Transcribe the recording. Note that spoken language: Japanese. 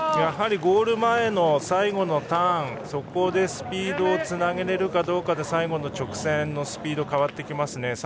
ゴール前の最後のターンそこでスピードをつなげれるかどうかで最後の直線のスピードは変わってきますね。